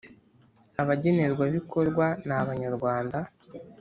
Abagenerwabikorwa ni Abanyarwanda